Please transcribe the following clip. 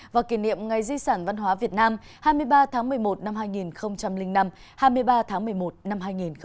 và kỷ niệm ngày di sản văn hóa việt nam hai mươi ba tháng một mươi một năm hai nghìn năm hai mươi ba tháng một mươi một năm hai nghìn một mươi chín